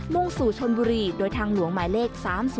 ่งสู่ชนบุรีโดยทางหลวงหมายเลข๓๐